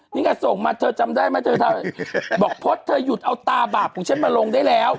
นี่ไงส่งมาเธอจำได้ไหมเธอบอกพจน์เธอหยุดเอาตาบาปของฉันมาลงได้แล้ว